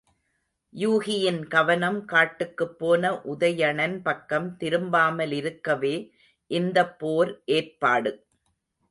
யூகியின் கவனம் காட்டுக்குப் போன உதயணன் பக்கம் திரும்பாமலிருக்கவே இந்தப் போர் ஏற்பாடு.